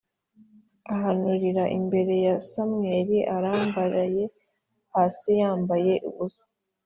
ahanurira imbere ya Samweli arambaraye hasi yambaye ubusa